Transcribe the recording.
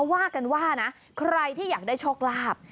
ว่ากันว่านะใครที่อยากได้โชคลาภ